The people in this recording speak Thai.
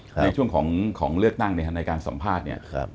ในช่วงของเลือกตั้งในการสัมภาษณ์เนี่ย